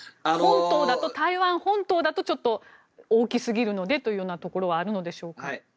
台湾本島だとちょっと大きすぎるのでというところはあるのでしょうか。